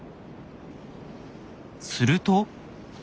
すると。